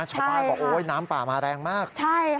ชาวป้ายก็บอกน้ำป่ามาแรงมากใช่ค่ะใช่ค่ะ